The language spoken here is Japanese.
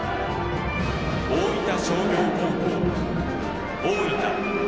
大分商業高校・大分。